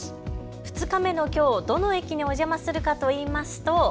２日目のきょう、どの駅にお邪魔するかといいますと。